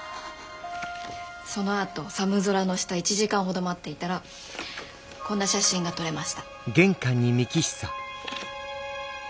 そのあと寒空の下１時間ほど待っていたらこんな写真が撮れました。